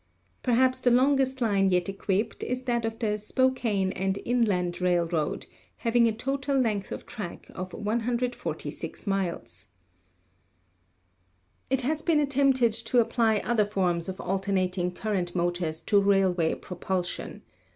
Perhaps the longest line yet equipped is that of the Spokane and Inland Railroad, having a total length of track of 146 miles. It has been attempted to apply other forms of alternat ing current motors to railway propulsion.